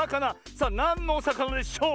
さあなんのおさかなでしょう